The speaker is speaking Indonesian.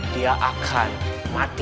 dia akan mati